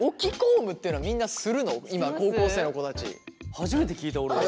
初めて聞いた俺。